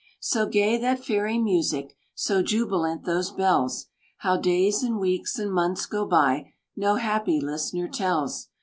"So gay that fairy music, So jubilant those bells, How days and weeks and months go by No happy listener tells!